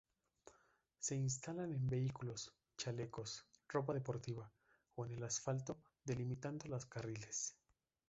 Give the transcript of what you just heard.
Se instalan en vehículos, chalecos, ropa deportiva, o en el asfalto, delimitando los carriles.